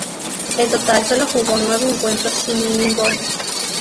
En total solo jugó nueve encuentros, sin ningún gol.